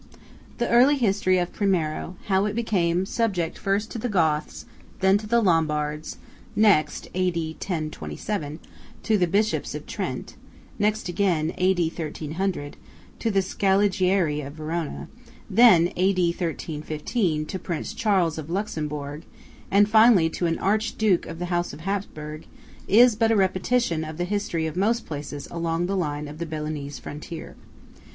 The early history of Primiero–how it became subject first to the Goths; then to the Lombards; next (A.D. 1027) to the Bishops of Trent; next again (A.D. 1300) to the Scaligieri of Verona; then (A.D. 1315) to Prince Charles of Luxembourg; and finally to an Archduke of the House of Hapsburg–is but a repetition of the history of most places along the line of the Bellunese frontier.